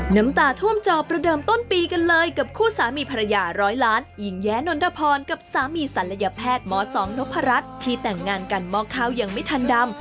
น้ำตาท่วมจอประเดิมต้นปีกันเลยกับคู่สามีภรรยาร้อยล้านหญิงแย้นนทพรกับสามีศัลยแพทย์ม๒นพรัชที่แต่งงานกันหม้อข้าวยังไม่ทันดำ